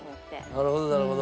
なるほどなるほど。